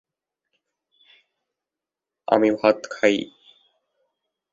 এর উত্তরে ভারতের পশ্চিমবঙ্গ এবং আসাম; দক্ষিণে নাগেশ্বরী উপজেলা; পূর্বে ভারতের আসাম এবং পশ্চিমে ভারতের পশ্চিমবঙ্গ।